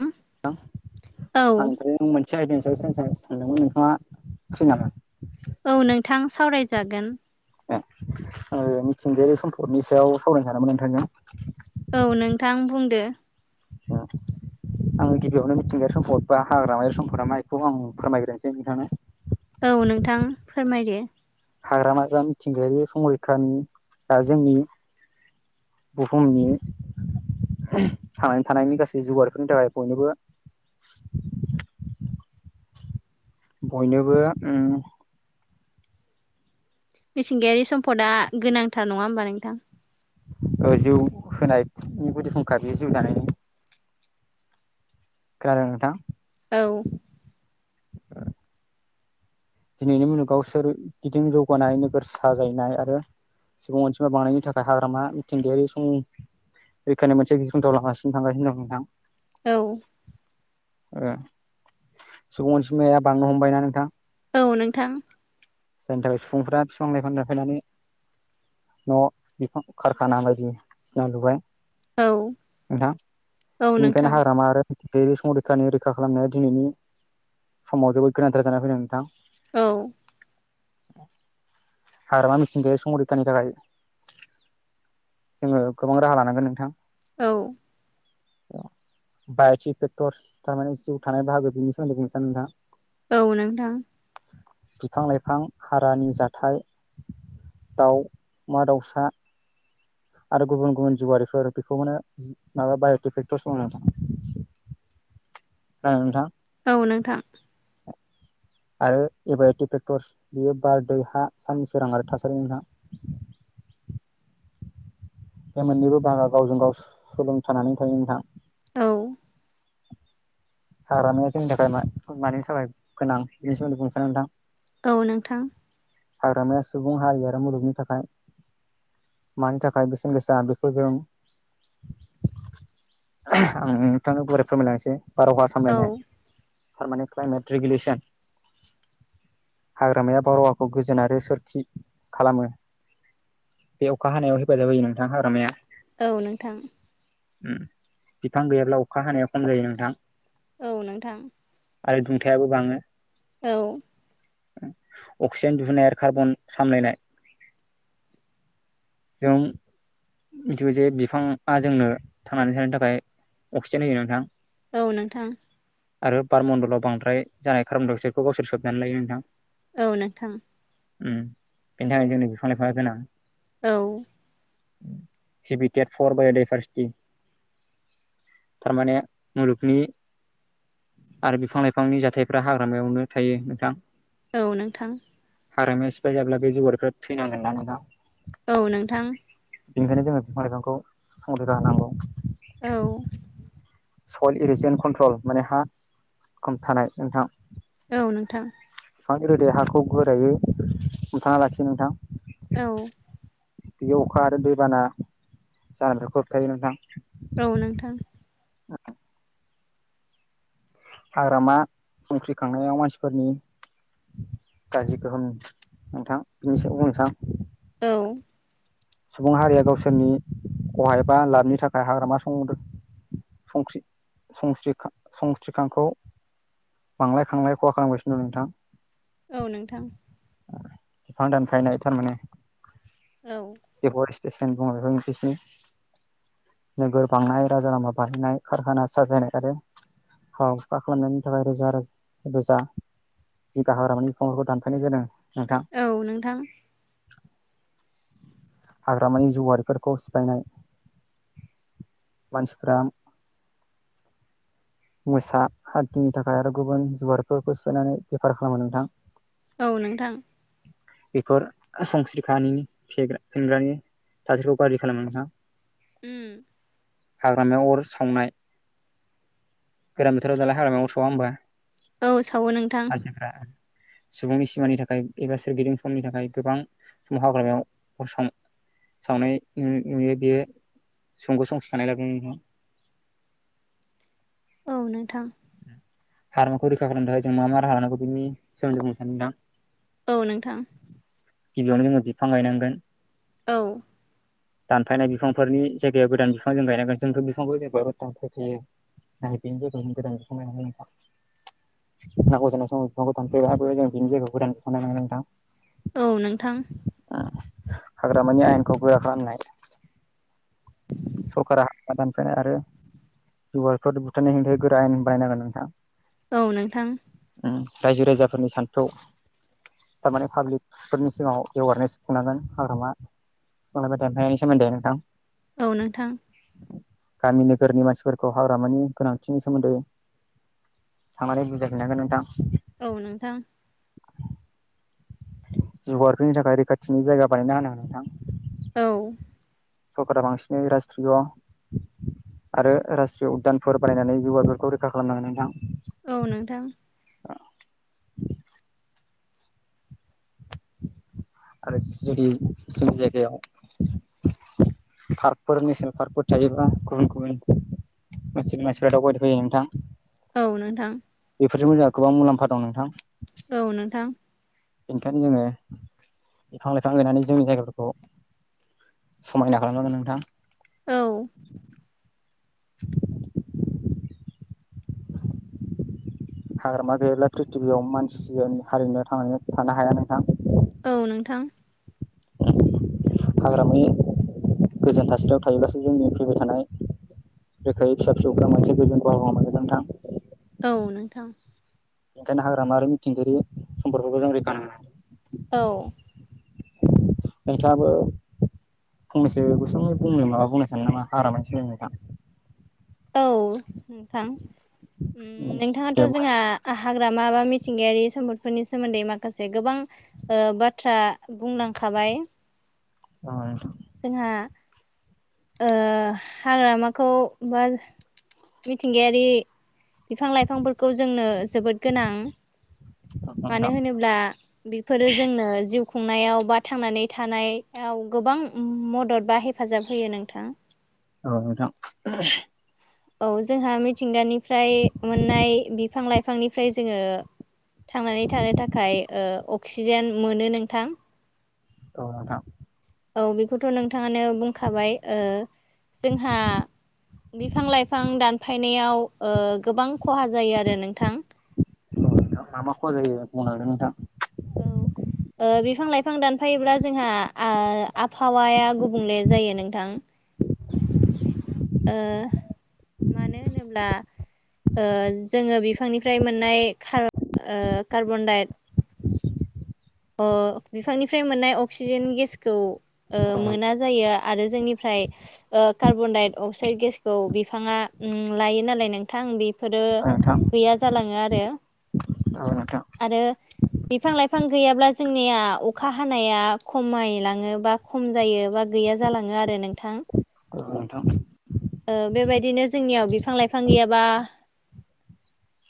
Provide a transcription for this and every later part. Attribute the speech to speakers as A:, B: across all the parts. A: औ
B: नोंथां आं बे मोनसे आयदानि सायाव साव सानदोंमोन नोंथाङा फ्रि नामा
A: औ नोंथां सावरायजागोन
B: ओ मिथिंगायारि सम्पदनि सायाव सावरायनो सानदोंमोन नोंथांजों
A: औ नोंथां बुंदो
B: औ आङो गिबियावनो मिथिंगायारि सम्पदबा, हाग्रामायारि सम्फदा मा बेखौ आं फोरमायग्रोनोसै नोंथांनो
A: औ नोंथां फोरमायदो
B: हाग्रामाया मिथिंगायारि संरैखानि दा जोंनि बुहुमनि ओम थांनानै थानायनि गासै जुगारफोरनि थाखाय बयनोबो बयनोबो उम
A: मिथिंगायारि सम्पदा गोनांथार नङा होमबा नोंथां
B: ओ जिउ होनायनि गुदि फुंखा बेयो जिउ दानायनि खोनादों नोंथां
A: औ
B: दिनैनि मुलुगाव सोरगिदिं जौगानाय नोगोर साजायनाय आरो सुबुं अनजिमा बांनायनि थाखाय हाग्रामा मिथिंगायारि सं बेखायनो मोनसे गिख्रंथाव लामासिम थांगासिनो दं नोंथां
A: औ
B: ओ सुबुं अनसुमाया बांनो हमबायना नोंथां
A: औ नोंथां
B: जायनि थाखाय सुबुंफ्रा बिफां-लाइफां लाफायनानै न' बिफां कारखाना बायदिसिना लुबाय
A: औ
B: नोंथा
A: औ
B: बेनिखायनो
A: नोंथां
B: हाग्रामा आरो बे संरैखानि रैखा खालामनाया दिनैनि समाव जोबोद गोनांथार जानानै फैदों नोंथां
A: औ
B: हाग्रामा मिथिंगायारि संरैखानि थाखाय जोङो गोबां राहा लानांगोन नोंथां
A: औ
B: बायटि फेक्टरस थारमाने सिंआव थानायनि बाहागो बिनि सोमोन्दै बुंनो सानो नोंथां
A: औ नोंथां
B: बिफां-लाइफां हारानि जाथाय दाउमा-दाउसा आरो गुबुन-गुबुन जिउआारिफोर बेखौनो जि माबा बायटि फेक्टरस होनो ओं नोंथां
A: औ नोंथां
B: आरो ए बायटि फेक्टरस बेयो बार, दै, हा, साननि सोरां आरो थासारि नोंथां बे मोननैबो बाहागोआव जों गाव सोलोंथानानै थायो नोंथां
A: औ
B: हाग्रामाया जोंनि थाखाय मा मानि थाखाय गोनां बेनि सोमोन्दै बुंनो सानो नोंथां
A: औ नोंथां
B: हाग्रामाया सुबुं हारि आरो मुलुगनि थाखाय मानि थाखाय बेसेन गोसा बेखौ जों आं नोंथांनो गुवारै फोरमायना मोनोसै बारहावा
A: औ
B: सामलायनाय पारमानेट क्लायमेट रेगुलेसन। हाग्रामाया बारहावाखौ गोजोन आरो सोरखि खालामो। बे अखा हानायाव हेफाजाब होयो नोंथां हाग्रामाया।
A: औ नोंथां
B: उम बिफां गैयाब्ला अखा हानाया खम जायो नोंथां।
A: औ नोंथां
B: आरो दुंथायाबो बाङो।
A: औ
B: अक्सिजेन दिुहुननाय आरो कार्बन सामलायनाय। जों मिथिगौ जे बिफाङा जोंनो थांनानै थानो थाखाय अक्सिजेन होयो नोंथां।
A: औ नोंथां
B: आरो बारमण्डलाव बांद्राय जानाय कार्बन-डाइ- अक्साइडखौ गावसोर सोबनानै लायो नोंथां।
A: औ नोंथां
B: उम बेनि थाखाय जोंनि बिफां-लाइफांया गोनां
A: औ
B: जिबिकेट फर बायदायभारस्थि। थारमाने नि आरो बिफां लाइफांनि जाथायफ्रा हाग्रामायावनो थायो नोंथां।
A: औ नोंथां
B: हाग्रामाया सिफाय जाब्ला बे जिउआरिफ्रा थैनांगोन ना नोंथां।
A: औ नोंथां
B: बेनिखायनो जोङो बिफां लाइफांखौ संरैखा होनांगौ।
A: औ
B: अइल इरिसेन कन्ट्रल माने हा खमथानाय नोंथां।
A: औ नोंथां
B: बिफां गोदेर गैयि हाखौ गोरायो हमथाना लाखि नोंथां।
A: औ
B: बियो अखा आरो दैबाना जानायफोरखौ होबथायो नोंथां।
A: औ नोंथां
B: हाग्रामा जंख्रि खांनायाव मानसिफोरनि। गाज्रि गोहोम नोंथां बिनि सायाव बुं नोंथां।
A: औ
B: सुबुं हारिया गावसोरनि खहा एबा लाबनि थाखाय हाग्रामा संदो संख्रि संस्रिखा संस्रिखांखौ। बांलाय खांलाय खहा खालामगासिनो दं नोंथां।
A: औ नोंथां
B: बिफां दानफायनाय थारमाने।
A: औ
B: जेबर स्तेसन बुङो बेखौ इनटेसननि। नोगोर बांनाय राजा लामा बारहोनाय खारखाना साजायनाय आरो फावखा खालामनायनि थाखाय रोजा रोजा रोजा जि गाहारामानि बिफांफोरखौ दानफायनाय जादों नोंथां।
A: औ नोंथां
B: हाग्रामानि जिउआरिफोरखौ सिफायनाय मानसिफ्रा। मोसा हाथिनि थाखाय आरो गुबुन जुवारफोरखौ सिफायनानै बेफार खालामो नोंथां।
A: औ नोंथां
B: बेफोर संस्रिखानि फेग्रा फेनग्रानि। थासारिखौ गाज्रि खालामो नोंथां।
A: उम
B: हाग्रामायाव अर सावनाय गोरान बोथोराव दालाय हाग्रामायाव सावा होमबा
A: औ सावो नोंथां
B: मानसिफ्रा। सुबुंनि सिमानि थाखाय एबा सोरगिदिं समनि थाखाय गोबां। समाव हाग्रामायाव अर सावनाय नुयो बेयो। [unintelligible] [unintelligible] [unintelligible] [unintelligible]
A: औ नोंथां।
B: हाग्रामाखौ रैखा खालामनो थाखाय जों मा मा राहा लानांगौ बेनि सोमोन्दै बुंनोसै नोंथां।
A: औ नोंथां।
B: गिबियावनो जोङो बिफां गायनांगोन।
A: औ।
B: [inaudible] दानफायनाय बिफांफोरनि जायगायाव गोदान बिफां जों गायनांगोन जोंथ' बिफांखौ जेबो दानफायफैयो। [inaudible] [unintelligible] [unintelligible] [inaudible]
A: औ नोंथां।
B: हाग्रामानि आयेनखौ गोरा खालामनाय। सरकारा हाग्रा दानफानाय आरो जुनारफोर बुथारनाय हेंथायै गोरा आयेन। बानायनांगोन नोंथां।
A: औ नोंथां।
B: रायजो राजाफोरनि सान्थौ। थारमाने पाब्लिकफोरनि सिगाङाव एवारनेस खुंनांगोन हाग्रामा। बिफां लायफां दानफायनायनि सोमोन्दै नोथां।
A: औ नोंथां।
B: गामि नोगोरनि मानसिफोरखौ हाग्रामानि गोनांथिनि सोमोन्दै। थांनानै बुजाय हैनांगोन नोंथां।
A: औ नोंथां।
B: जुनार फैनो थाखाय रैखाथिनि जायगा बानायना होनांगोन नोंथां।
A: औ।
B: सरकारा बांसिनै रासष्ट्रिय'। आरो रासष्ट्रिय उद्दानफोर बानायनानै जिउगा बेफोरखौ रैखा खालामनांगोन नोंथां।
A: औ नोंथां।
B: आरो जुदि जोंनि जायगायाव । फारख फोर नेसनेल फारख फोर थायोबा गुबुन गुबुन। मनसि मानसिफ्रा दावबायनो फैयो नोंथां।
A: औ नोंथां।
B: बेफोरजों जोंहा गोबां मुलाम्फा दं नोंथां।
A: औ नोंथां।
B: बेनिखायनो जोङो बिफां लाइफां गायनानै जोंनि जायगाफोरखौ। समायना खालामनांगोन नोंथां।
A: औ।
B: [inaudible] हाग्रामा गैयाब्ला प्रिथिबियाव मानसि हारिआनो थांनानै थानो हाया नोंथां।
A: औ नोंथां।
B: हाग्रामनि गोजोन थासारियाव थायोब्लासो जोंनि फैबाय थानाय। रोखायै फिसा फिसौफोरा मोनसे गोजोन बारहावा मोनगोन नोंथां।
A: औ नोंथां।
B: बेनिखायनो हाग्रामा आरो मिथिंगायारि सम्फदफोरखौबो जों रैखा होनांगोन ।
A: औ।
B: नोंथांआबो। फंनैसो गुसुंङै बुंनो माबा बुंनो सानो नामा हाग्रामानि सोमोन्दै नोंथां।
A: औ नोंथां
B: दे
A: नोंथाङाथ'
B: बुंनायसाय
A: जोंहा। हाग्रामा बा मिथिंगायारि सम्पदफोरनि सोमोन्दै माखासे गोबां- ओ बाथ्रा बुंलांखाबाय।
B: अ नोंथां।
A: जोंहा ओ हाग्रामाखौ बा मिथिंगायारि बिफां लाइफांफोरखौ जोंनो जोबोद गोनां- मानो
B: नोंथां
A: होनोब्ला बेफोरो जोंनो जिउ- खुंनायाव बा थांनानै थानायाव गोबां मदद बा हेफाजाब होयो नोंथां।
B: औ नोंथां।
A: औ जोंहा मिथिंगानिफ्राय मोननाय बिफां लाइ बिफांनिफ्राय जोङो थांनानै थानो थाखाय ओ अक्सिजेन मोनो नोंथां।
B: औ नोंथां।
A: औ बेखौथ' नोंथाङानो बुंखाबाय जोंहा बिफां-लाइफां दानफायनायाव गोबां खहा जायो आरो नोंथां।
B: मा-मा खहा जायो बुंलांदो नोंथां।
A: औ ओ बिफां लाइफां दानफायोब्ला जोंहा ओ आबहावाया गुबुंले जायो नोंथां। ओ मानो होनोब्ला- ओ जोङो बिफांनिफ्राय मोननाय कार्बन ओ कार्बन-डाई अ बिफांनिफ्राय मोननाय अक्सिजेन गेसखौ
B: औ
A: मोना जायो आरो जोंनिफ्राय ओ‌ कार्बन-डाई अक्साइद गेसखौ बिफाङा उम लायो नालाय नोंथां बेफोरो गैया जायो। जालाङो आरो।
B: औ‌ नोंथां।
A: आरो बिफां लाइफां गैयाब्ला जोंनिया अखा हानाया खमायलाङोबा। खम जायो बा गैया जालाङो आरो नोंथां।
B: औ‌ नोंथां।
A: बेबायदिनो जोंनियाव बिफां लाइफां गैयाबा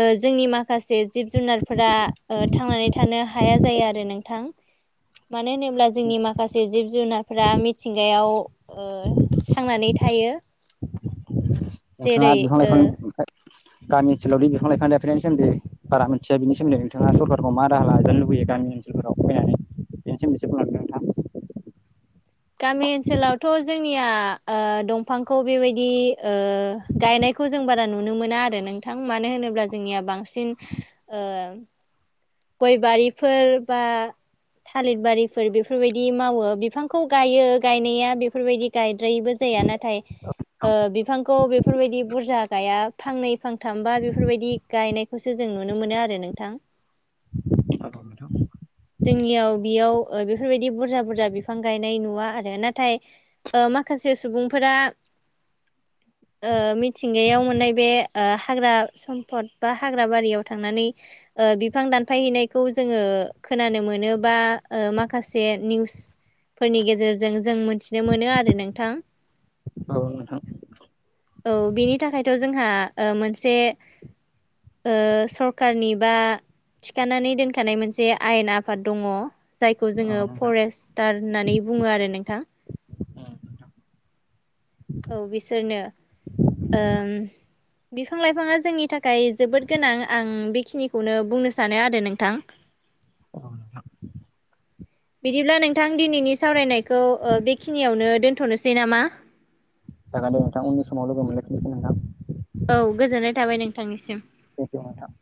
A: ओ जोंनि माखासे जिब जुनारफोरा ओ थांनानै थानो हाया जायो आरो नोंथां। मानो होनोब्ला जोंनि माखासे जिब जुनार फ्रा मिथिंगायाव उम थांनानै थायो। जेरै
B: नोंथांया बिफां‌
A: ओ
B: लाइफांनि गामि ओनोलाव दि बिफां-लाइफां दानफाइनायनि सोमोनदै बारा मोनथिया बि सोमोनदै नोंथांआ सरखारखौ मा राहा लाजानो लुबैयो गामि ओसोलाव। एबाराव‌ फैनानै बेनोसै मोनसेखौ लांदों नोंथां।
A: गामि ओनसोलावथ' जोंनिया ओ दंफांखौ बेबायदि ओ। गायनायखौ जों बारा नुनो मोना आरो नोंथां मानो होनोब्ला जोंनिया बांसिन ओ गय बारिफोर बा थालिर बारिफोर बेफोरबायदि मावो बिफांखौ गायो गायनाया बेफोरबायदि गायद्रायैबो जाया नाथाय ओ बिफांखौ बेफोरबायदि बुरजा गाया फांनै फांथाम बा बेफोरबायदि गायनायखौसो जों नुनो मोनो आरो नोंथां।
B: [inaudible]
A: जोंनियाव बेया ओ बेफोरबायदि बुरजा बुरजा बिफां गायनाय नुवा आरो नाथाय ओ माखासे सुबुंफोरा। ओ मिथिंगायाव मोननाय बे ओ हाग्रा सम्फद बा हाग्रा बारियाव थांनानै ओ बि बिफां दानफायहैनायखौ जोङो खोनानो मोनोबा माखासे निउस फोरनि गेजेरजों जों मोनथिनो मोनो आरो नोंथां
B: औ नोंथां
A: औ बिनि थाखायथ' जोंहा ओ मोनसे ओ सरखारनि बा थिखानानै दोनखानाय मोनसे आयेन आफाद दङ। जायखौ
B: औ
A: जोङो
B: नोंथां
A: फरेस्टार होननानै बुङो आरो नोंथां।
B: औ नोंथां
A: औ बिसोरनो बिफां लाइफाङा जोंनि थाखाय जोबोद गोनां आं बेखिनिखौनो बुंनो सानो आरो नोंथां।
B: औ नोंथां
A: बिदिब्ला नोंथां दिनैनि सावरायनायखौ ओ बेखिनियावनो दोनथ'नोसै नामा
B: जागोन दे नोंथां उननि समाव लोगो मोनलायफिनसिगोन नोंथां
A: औ गोजोननाय थाबाय नोंथांनिसिम
B: थेंखिउ नोंथां